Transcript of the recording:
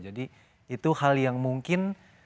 jadi itu hal yang mungkin